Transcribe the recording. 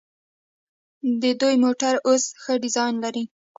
د دوی موټرې اوس ښه ډیزاین لري.